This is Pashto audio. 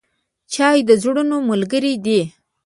چای د زړونو ملګری دی.